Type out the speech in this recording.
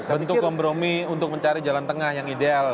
bentuk kompromi untuk mencari jalan tengah yang ideal